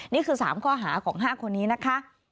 นี่คือ๓ข้อหาของ๕คนนี้นะคะ